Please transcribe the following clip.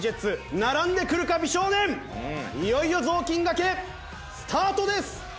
いよいよ雑巾掛けスタートです！